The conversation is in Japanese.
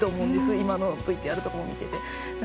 今のＶＴＲとか見てて。